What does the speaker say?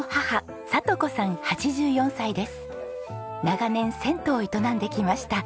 長年銭湯を営んできました。